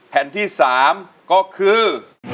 แผ่นที่๓ก็คือ